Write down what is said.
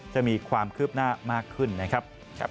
จะมีความคืบหน้ามากขึ้นนะครับ